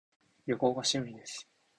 旅行が趣味です